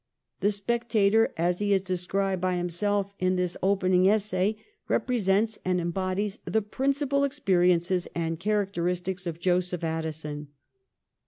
' The Spectator,' as he is described by himself in this opening essay, represents and embodies the principal experiences and characteristics of Joseph Addison.